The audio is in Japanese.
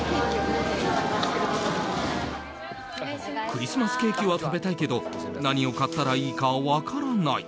クリスマスケーキは食べたいけど何を買ったらいいか分からない